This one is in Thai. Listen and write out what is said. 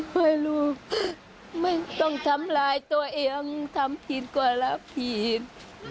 ไม่รู้ไม่ต้องทำลายตัวเองทำผิดกว่าลับผิด